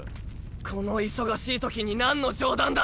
この忙しいときになんの冗談だ。